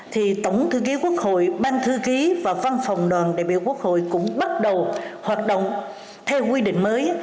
thì tổng thư ký quốc hội ban thư ký và văn phòng đoàn đại biểu quốc hội cũng bắt đầu hoạt động theo quy định mới